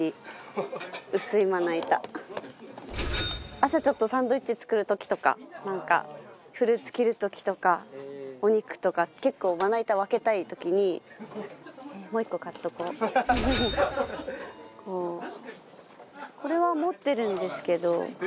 朝ちょっとサンドイッチ作る時とかなんかフルーツ切る時とかお肉とか結構まな板分けたい時に。へえー持ってるんですか？